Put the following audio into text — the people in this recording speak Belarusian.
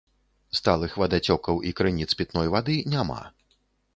Сталых вадацёкаў і крыніц пітной вады няма.